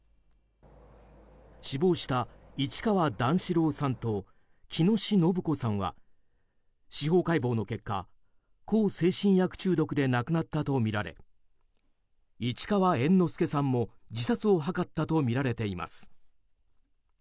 死亡した市川段四郎さんと喜熨斗延子さんは司法解剖の結果、向精神薬中毒で亡くなったとみられ市川猿之助さんも自殺を図ったとみられています。